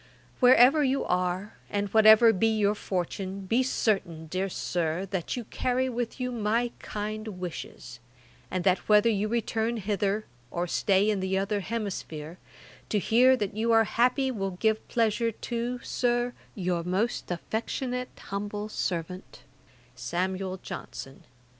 A.D. 1762.] 'Wherever you are, and whatever be your fortune, be certain, dear Sir, that you carry with you my kind wishes; and that whether you return hither, or stay in the other hemisphere, to hear that you are happy will give pleasure to, Sir, 'Your most affectionate humble servant, 'SAM. JOHNSON.'